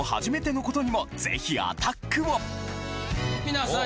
皆さん